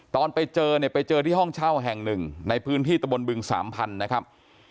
ตอนไปเจอเนี่ยไปเจอที่ห้องเช่าแห่งหนึ่งในพื้นที่ตะบนบึงสามพันธุ์นะครับ